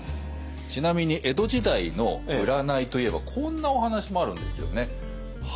ちなみに江戸時代の占いといえばこんなお話もあるんですよね。